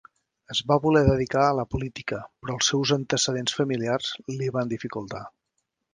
Es va voler dedicar a la política, però els seus antecedents familiars li van dificultar.